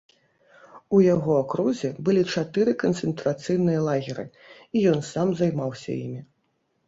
У яго акрузе былі чатыры канцэнтрацыйныя лагеры, і ён сам займаўся імі.